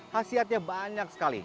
hasilnya banyak sekali